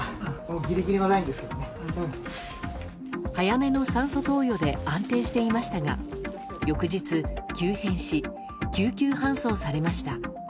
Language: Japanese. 早めの酸素投与で安定していましたが翌日、急変し救急搬送されました。